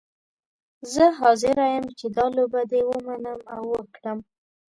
زه حاضره یم چې دا لوبه دې ومنم او وکړم.